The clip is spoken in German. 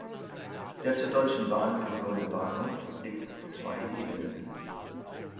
Der zur Deutschen Bahn gehörende Bahnhof liegt auf zwei Ebenen.